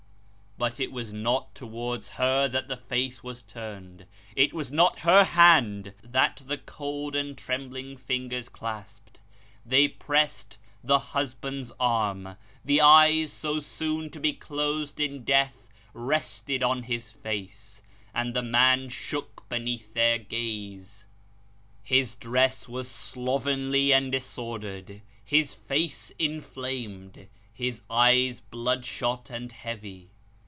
But it was not towards her that the wan face turned ; it was not her hand that the cold and trembling fingers clasped ; they pressed the husband's arm ; the eyes so soon to be closed in death rested on his face, and the man shook beneath their gaze. His dress was slovenly and disordered, his face inflamed, his eyes bloodshot and heavy.